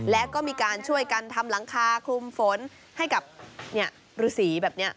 แล้วก็มีการช่วยกันทำหลังคาคลุมฝนให้กับเนี่ยรูสีแบบเนี้ย